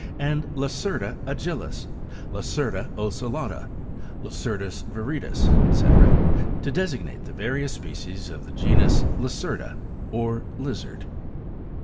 and LACERTA agilis, LACERTA ocellata, LACERTA viridis, &c., to designate the various species of the genus LACERTA or lizard.